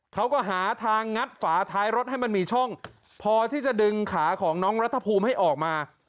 เขาก็หาทางงัดฝาท้ายรถให้มันมีช่องพอที่จะดึงขาของน้องรัฐภูมิให้ออกมา